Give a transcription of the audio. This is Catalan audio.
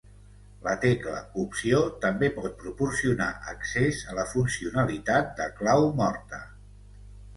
La tecla Opció també pot proporcionar accés a la funcionalitat de clau morta.